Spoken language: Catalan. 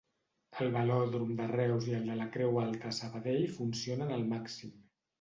El velòdrom de Reus i el de la Creu Alta a Sabadell funcionen al màxim.